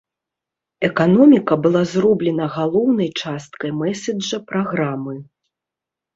Эканоміка была зроблена галоўнай часткай мэсэджа праграмы.